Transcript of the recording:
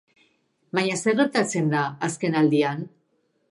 Baina zer gertatzen da azkenaldian?